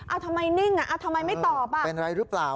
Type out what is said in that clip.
อ้าวทำไมนิ่งอ่ะทำไมไม่ตอบอ่ะ